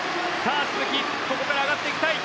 鈴木ここから上がっていきたい。